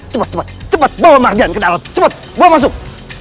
cepat cepat bawa marjan ke dalam cepat bawa masuk